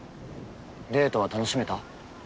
デートは楽しめた？